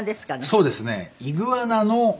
そうですねイグアナの。